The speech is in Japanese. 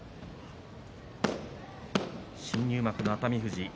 新入幕の熱海富士。